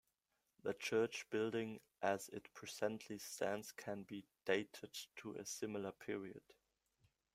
The church building as it presently stands can be dated to a similar period.